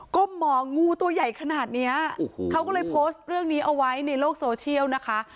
หมองูตัวใหญ่ขนาดเนี้ยโอ้โหเขาก็เลยโพสต์เรื่องนี้เอาไว้ในโลกโซเชียลนะคะ